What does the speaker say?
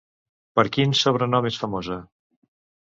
Per quin sobrenom és famosa?